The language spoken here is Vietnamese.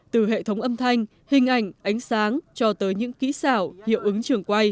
từ hệ thống âm thanh hình ảnh ánh sáng cho tới những kỹ xảo